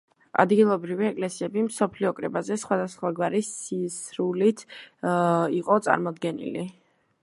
ადგილობრივი ეკლესიები მსოფლიო კრებაზე სხვადასხვაგვარი სისრულით იყო წარმოდგენილი.